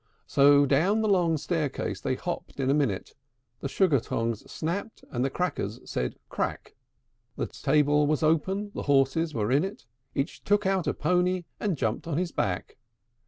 III. So down the long staircase they hopped in a minute; The Sugar tongs snapped, and the Crackers said "Crack!" The stable was open; the horses were in it: Each took out a pony, and jumped on his back.